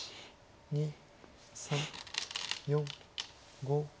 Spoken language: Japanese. ２３４５。